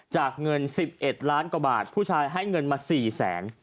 เงิน๑๑ล้านกว่าบาทผู้ชายให้เงินมา๔แสน